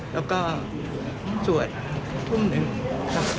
แล้วก็สวดทุ่ม๑ค่ะ